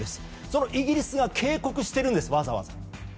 そのイギリスが警告しているんです、わざわざ。